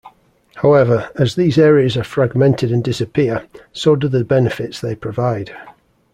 However, as these areas are fragmented and disappear, so do the benefits they provide.